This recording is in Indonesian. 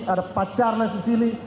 ada pak carnas di sini